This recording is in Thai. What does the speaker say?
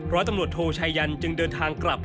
ร้อยตำรวจโทชัยยันจึงเดินทางกลับ